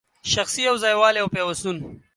شخصي یو ځای والی او پیوستون